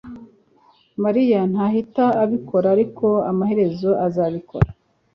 mariya ntahita abikora ariko amaherezo azabikora